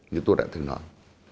như tôi đã từng nói